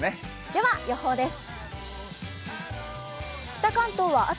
では予報です。